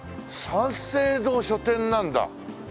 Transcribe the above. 三省堂書店なんだここ。